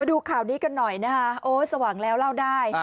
ดูข่าวนี้กันหน่อยนะคะโอ๊ยสว่างแล้วเล่าได้